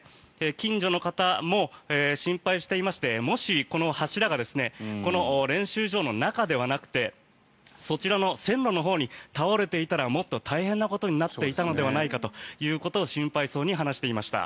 近所の方も心配していましてもし、この柱が練習場の中ではなくてそちらの線路のほうに倒れていたらもっと大変なことになっていたのではないかということを心配そうに話していました。